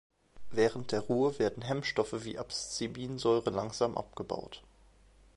Während der Ruhe werden Hemmstoffe wie Abscisinsäure langsam abgebaut.